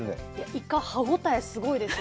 イカ、歯応えがすごいですよ。